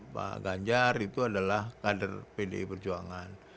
pak ganjar itu adalah kader pdi perjuangan